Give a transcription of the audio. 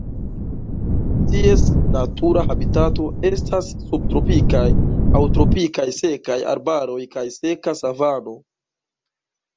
Ties natura habitato estas subtropikaj aŭ tropikaj sekaj arbaroj kaj seka savano.